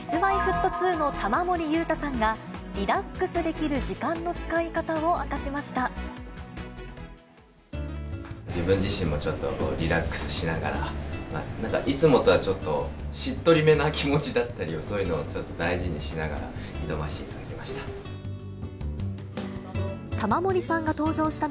Ｋｉｓ−Ｍｙ−Ｆｔ２の玉森裕太さんが、リラックスできる時間の自分自身もちょっとリラックスしながら、なんかいつもとはちょっと、しっとりめな気持ちだったり、そういうのをちょっと大事にしながら挑ませていただきました。